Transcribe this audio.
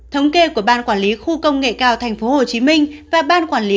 thống kê của ban quản lý khu công nghệ cao tp hcm và ban quản lý